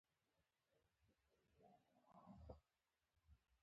د پښتنو ډوډۍ ډیره برکتي وي.